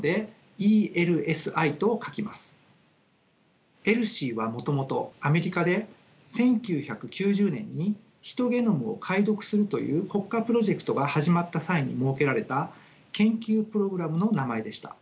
ＥＬＳＩはもともとアメリカで１９９０年にヒトゲノムを解読するという国家プロジェクトが始まった際に設けられた研究プログラムの名前でした。